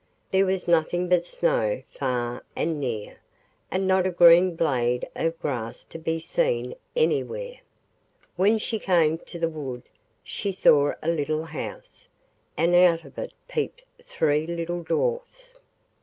There was nothing but snow far and near, and not a green blade of grass to be seen anywhere. When she came to the wood she saw a little house, and out of it peeped three little dwarfs.